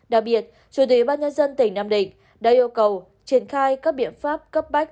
đặc biệt chủ đề ba nhân dân tỉnh nam định đã yêu cầu triển khai các biện pháp cấp bách